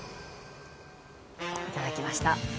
いただきました。